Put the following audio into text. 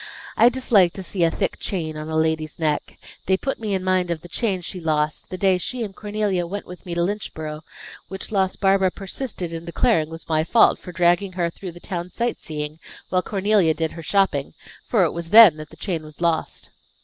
I dislike to see a thick chain on a lady's neck. They put me in mind of the chain she lost, the day she and Cornelia went with me to Lynchborough, which loss Barbara persisted in declaring was my fault, for dragging her through the town sight seeing, while Cornelia did her shopping for it was then the chain was lost."